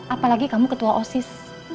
apalagi kamu ketua osis